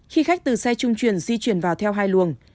khi khách từ xe trung chuyển di chuyển vào theo hai luồng